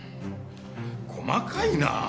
細かいな！